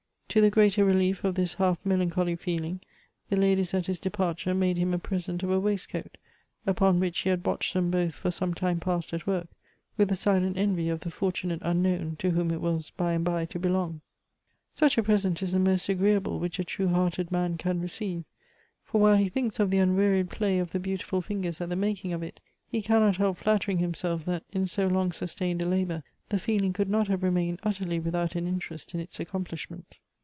To the greater relief of this half mel.incholy feeling, the ladies at his departure made him a present of a waist coat, upon which he had watched them both for some time past at work, with a silent envy of the fortun.ate unknown, to whom it was by and by to belong. Such a present is the most agree.able which a true hearted man can receive ; for while he thinks of the unwearied i)l;iy of the beautiful fingers at the making of it, he cannot help flattering himself that in so long sustained a labor the feeling could not have remained utterly without an interest in its accomplishment.